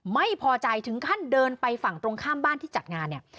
ไม่พอใจถึงขั้นเดินไปฝั่งตรงข้ามบ้านที่จัดงานเนี่ย